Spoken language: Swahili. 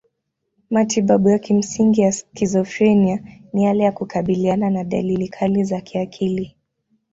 Matibabu ya kimsingi ya skizofrenia ni yale ya kukabiliana na dalili kali za kiakili.